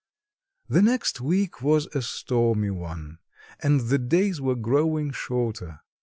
The next week was a stormy one and the days were growing shorter.